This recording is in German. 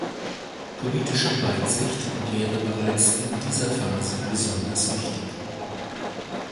Politische Weitsicht wäre bereits in dieser Phase besonders wichtig.